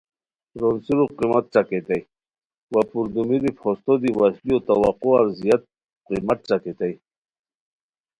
رونڅیرو قیمت ݯاکیتانی وا پردومیری پھوستو دی وشلیو توقعار زیاد قیمت ݯاکئیتانی